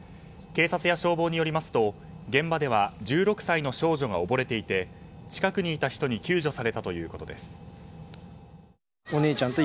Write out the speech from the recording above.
警察や消防によりますと現場では１６歳の少女が溺れていて近くにいた人に救助されたということです。